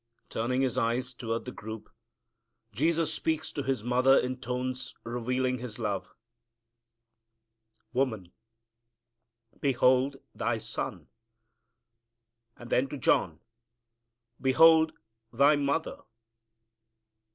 Turning His eyes toward the group, Jesus speaks to His mother in tones revealing His love, "Woman, behold thy son;" and then to John, "Behold thy mother."